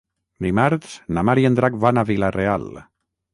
Dimarts na Mar i en Drac van a Vila-real.